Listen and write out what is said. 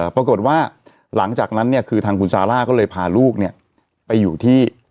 ปรากฏว่าหลังจากนั้นเนี่ยคือทางคุณซาร่าก็เลยพาลูกเนี่ยไปอยู่ที่